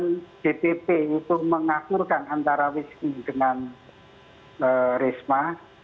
kemudian dpp itu mengaturkan antara wisnu dengan risma